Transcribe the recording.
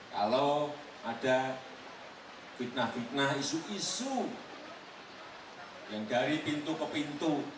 kalau ada fitnah fitnah isu isu yang dari pintu ke pintu